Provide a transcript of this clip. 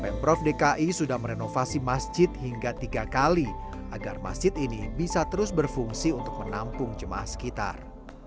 pemprov dki sudah merenovasi masjid hingga tiga kali agar masjid ini bisa terus berfungsi untuk menampung jemaah sekitar